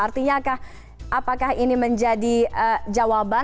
artinya apakah ini menjadi jawaban